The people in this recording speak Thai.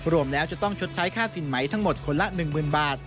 รวมแล้วจะต้องชดใช้ค่าสินไหมทั้งหมดคนละ๑๐๐๐บาท